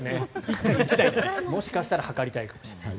もしかしたら測りたいかもしれない。